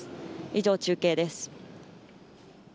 以上、中継です。